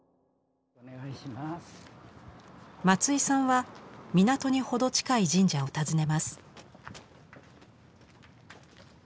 松井さんは港にほど近い神社を訪ねます。